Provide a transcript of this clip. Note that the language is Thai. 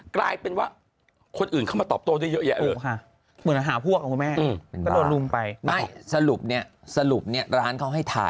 กลายเป็นว่าคนอื่นเข้ามาตอบโต้ด้วยเยอะ